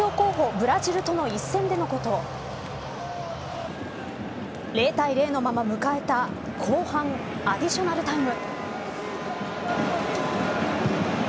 ブラジルとの一戦でのこと０対０のまま迎えた後半アディショナルタイム。